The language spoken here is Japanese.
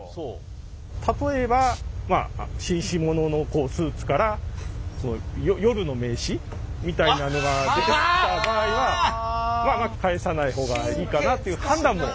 例えばまあ紳士物のスーツから夜の名刺みたいなのが出てきた場合はまあ返さない方がいいかなという判断も。